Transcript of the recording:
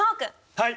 はい。